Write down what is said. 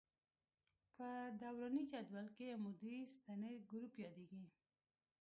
په دوراني جدول کې عمودي ستنې ګروپ یادیږي.